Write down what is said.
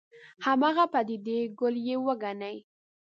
هماغه پدیدې کُل یې وګڼي.